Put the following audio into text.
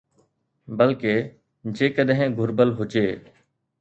بلڪه، جيڪڏهن گهربل هجي